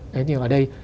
đấy thì ở đây